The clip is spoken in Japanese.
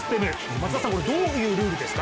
松田さん、これはどういうルールですか？